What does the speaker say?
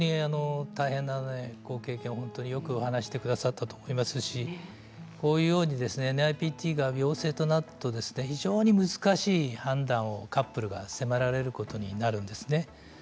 大変なご経験をよく話してくださったと思いますしＮＩＰＴが陽性となると非常に難しい判断をカップルが迫られることになるんですね。